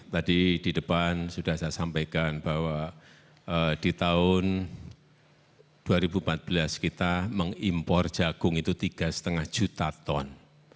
tadi di depan sudah saya sampaikan bahwa di tahun dua ribu empat belas kita mengimpor jagung itu tiga lima juta ton